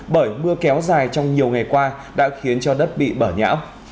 bởi mưa kéo dài trong nhiều ngày qua đã khiến cho đất bị bở nhã